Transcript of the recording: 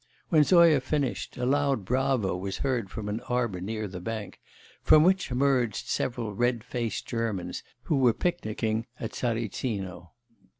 When Zoya finished, a loud bravo was heard from an arbour near the bank, from which emerged several red faced Germans who were picnicking at Tsaritsino.